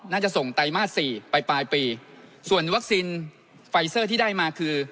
น่าจะส่งไตรมาสสี่ไปปลายปีส่วนวัคซีนไฟเซอร์ที่ได้มาคือ